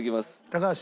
高橋。